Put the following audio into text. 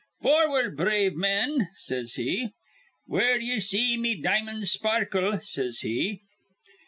'Forward, brave men,' says he, 'where ye see me di'mon's sparkle,' says he.